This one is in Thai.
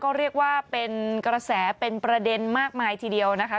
ก็เรียกว่าเป็นกระแสเป็นประเด็นมากมายทีเดียวนะคะ